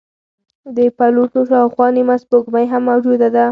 د پلوټو شاوخوا نیمه سپوږمۍ هم موجوده ده.